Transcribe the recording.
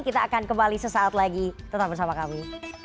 kita akan kembali sesaat lagi tetap bersama kami